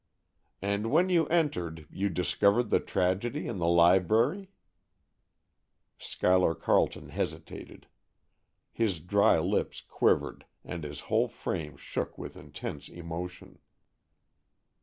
"And when you entered you discovered the tragedy in the library?" Schuyler Carleton hesitated. His dry lips quivered and his whole frame shook with intense emotion.